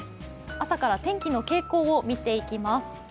朝から天気の傾向を見ていきます。